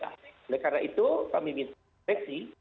oleh karena itu kami minta koreksi